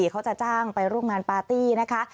เขาจะจ้างไปโรงการปาร์ตี้นะคะ